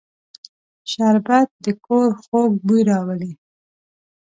شربت د کور خوږ بوی راولي